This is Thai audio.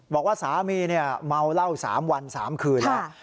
บอกว่าสามีเมาเหล้า๓วัน๓คืนแล้ว